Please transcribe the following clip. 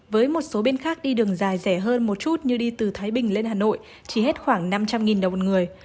với một số bên khác đi đường dài rẻ hơn một chút như đi từ thái bình lên hà nội chỉ hết khoảng năm trăm linh đồng một người